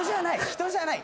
人じゃない。